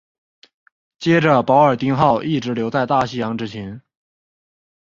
接着保尔丁号一直留在大西洋执勤。